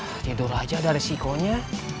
jadi dulu aja ada resikonya